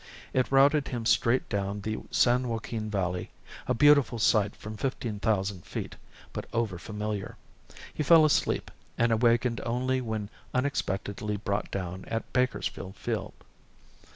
It routed him straight down the San Joaquin Valley a beautiful sight from fifteen thousand feet, but over familiar. He fell asleep and awakened only when unexpectedly brought down at Bakersfield Field.